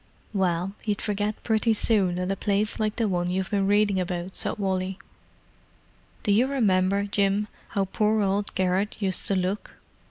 "Well, you'd forget pretty soon at a place like the one you've been reading about," said Wally. "Do you remember, Jim, how old poor old Garrett used to look?